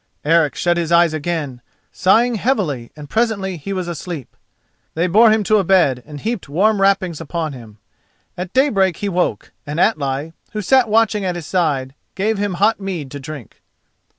Eric shut his eyes again, sighing heavily, and presently he was asleep. They bore him to a bed and heaped warm wrappings upon him. At daybreak he woke, and Atli, who sat watching at his side, gave him hot mead to drink.